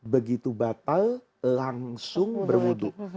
begitu batal langsung berwudhu